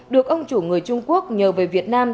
được ông chủ người trung quốc nhờ về việt nam